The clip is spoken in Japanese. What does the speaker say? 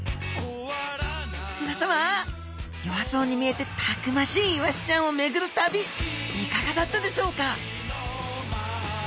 みなさま弱そうに見えてたくましいイワシちゃんをめぐる旅いかがだったでしょうか？